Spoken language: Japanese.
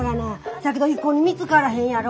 そやけど一向に見つからへんやろ？